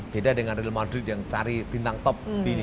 beda dengan real madrid yang cari bintang top